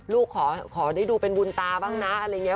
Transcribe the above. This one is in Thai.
ลูกขอได้ดูเป็นบุญตาบ้างนะอะไรอย่างนี้